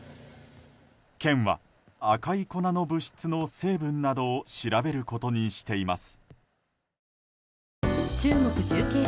県は赤い粉の物質の成分などを調べることにしています。